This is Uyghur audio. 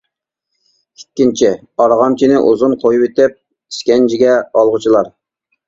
ئىككىنچى: ئارغامچىنى ئۇزۇن قويۇۋېتىپ ئىسكەنجىگە ئالغۇچىلار.